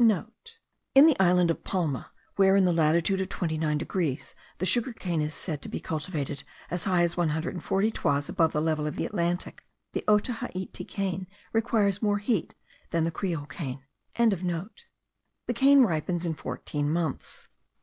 (* In the island of Palma, where in the latitude of 29 degrees the sugar cane is said to be cultivated as high as 140 toises above the level of the Atlantic, the Otaheite cane requires more heat than the Creole cane.) The cane ripens in fourteen months.